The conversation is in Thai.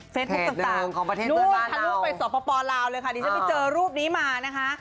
เพจพวกต่างพารูปไปสภปลาวเลยค่ะจะไปเจอรูปนี้มานะคะ